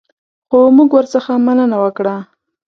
خو موږ ورڅخه مننه وکړه.